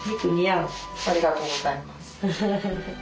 ありがとうございます。